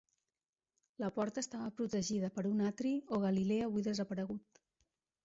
La porta estava protegida per un atri o galilea avui desaparegut.